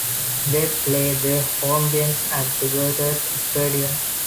They play their home games at the Veritas Stadion.